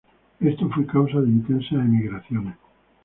Esto fue causa de intensas emigraciones.